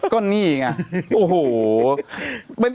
ก็นี่อีกอ่ะโอ้โห